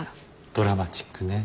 ドラマチックね。